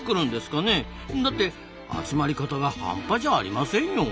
だって集まり方が半端じゃありませんよ？